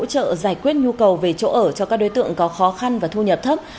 được xây dựng để hỗ trợ giải quyết nhu cầu về chỗ ở cho các đối tượng có khó khăn và thu nhập thấp